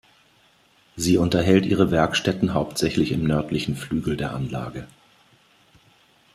Sie unterhält ihre Werkstätten hauptsächlich im nördlichen Flügel der Anlage.